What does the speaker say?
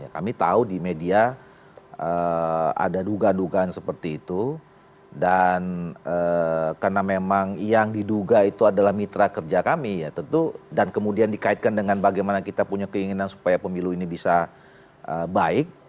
karena kami tahu di media ada duga dugaan seperti itu dan karena memang yang diduga itu adalah mitra kerja kami ya tentu dan kemudian dikaitkan dengan bagaimana kita punya keinginan supaya pemilu ini bisa baik